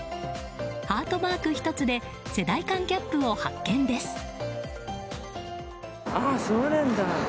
ハートマーク１つで世代間ギャップを発見です。